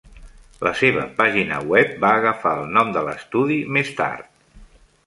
La seva pàgina web va agafar el nom de l"estudi més tard.